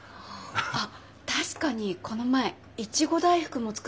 あっ確かにこの前いちご大福も作ってましたもんね。